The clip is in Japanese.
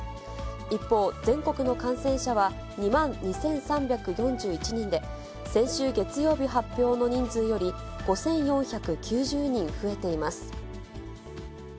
一方、全国の感染者は、２万２３４１人で、先週月曜日発表の人数より、５４９０人増えています。